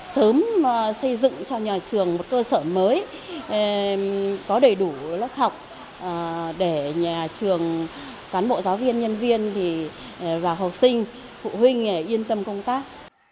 sớm xây dựng cho nhà trường một cơ sở mới có đầy đủ lớp học để nhà trường cán bộ giáo viên nhân viên và học sinh phụ huynh yên tâm công tác